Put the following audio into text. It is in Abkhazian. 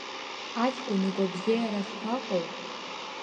Аҷкәын игәабзиара шԥаҟоу?